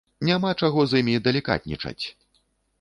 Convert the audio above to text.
Няма чаго з імі далікатнічаць.